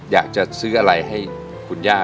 อยากจะซื้ออะไรให้คุณย่า